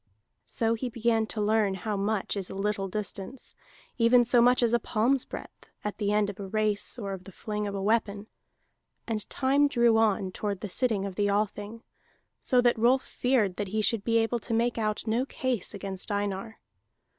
So he began to learn how much is a little distance, even so much as a palm's breadth, at the end of a race or of the fling of a weapon. And time drew on toward the sitting of the Althing, so that Rolf feared that he should be able to make out no case against Einar.